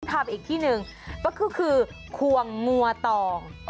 ทำอีกที่หนึ่งก็คือควงงัวตอง